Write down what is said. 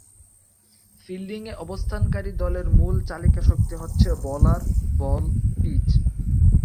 ফিল্ডিংয়ে অবস্থানকারী দলের মূল চালিকা শক্তি হচ্ছে বোলার, বল, পিচ।